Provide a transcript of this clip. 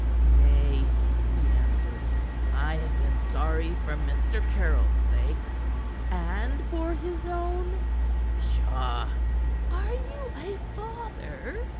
"Nay," he answered, "I had been sorry for Mr. Caryll's sake." "And for his own?" "Pshaw!" "Are you a father?"